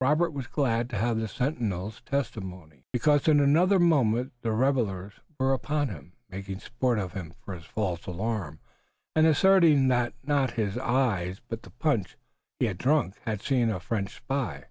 Robert was glad to have the sentinel's testimony, because in another moment the revelers were upon him, making sport of him for his false alarm, and asserting that not his eyes but the punch he had drunk had seen a French spy.